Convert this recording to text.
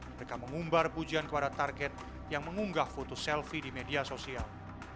mereka mengumbar pujian kepada target yang mengunggah foto selfie di media sosial